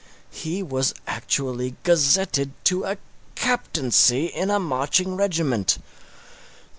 He was actually gazetted to a captaincy in a marching regiment!